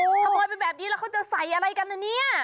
ขโมยไปแบบนี้แล้วเขาจะใส่อะไรกันนะเนี่ย